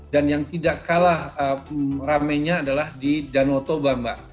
dan yang tidak kalah ramainya adalah di danau toba mbak